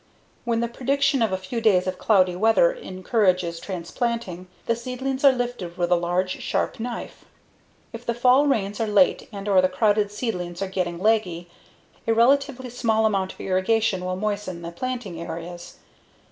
When the prediction of a few days of cloudy weather encourages transplanting, the seedlings are lifted with a large, sharp knife. If the fall rains are late and/or the crowded seedlings are getting leggy, a relatively small amount of irrigation will moisten the planting areas.